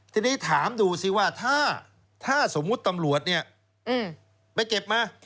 ทีนี้ถามดูสิว่าถ้าสมมุติตำรวจเนี่ยไปเก็บมา